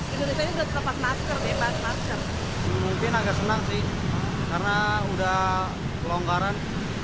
indonesia sudah tempat masker bebas masker mungkin agak senang sih karena udah pelonggaran